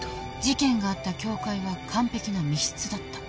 事件があった教会は完璧な密室だった。